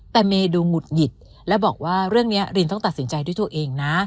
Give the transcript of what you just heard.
แต่เมย์ดูหงุดหงิดและบอกว่าเรื่องนี้รินต้องตัดสินใจด้วยตัวเองนะ